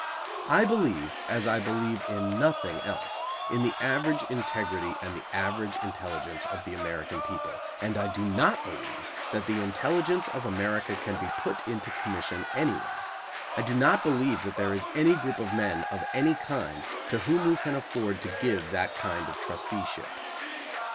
I believe, as I believe in nothing else, in the average integrity and the average intelligence of the American people, and I do not believe that the intelligence of America can be put into commission anywhere. I do not believe that there is any group of men of any kind to whom we can afford to give that kind of trusteeship.